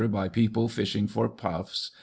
by people fishing for puffs .